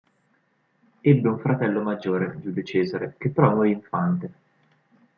Ebbe un fratello maggiore, Giulio Cesare, che però morì infante.